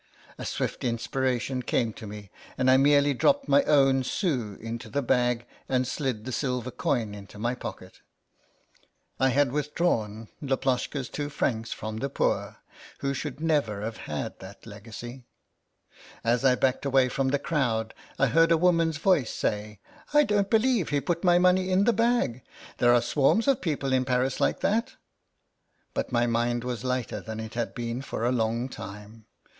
A swift inspiration came to me, and I merely dropped my own sou into the bag and slid the silver coin into my pocket. I had with THE SOUL OF LAPLOSHKA 73 drawn Laploshka's two francs from the poor, who should never have had that legacy. As I backed away from the crowd I heard a woman's voice say, " I don't believe he put my money in the bag. There are swarms of people in Paris like that !" But my mind was lighter than it had been for a long time.